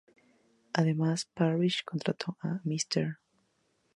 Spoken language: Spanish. Además, Parrish contrató a Mr.